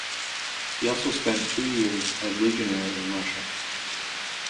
He also spent two years as legionnaire in Russia.